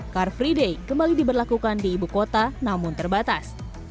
car free day kembali diberlakukan di ibu kota namun terbatas